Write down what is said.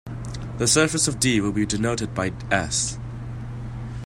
The surface of "D" will be denoted by "S".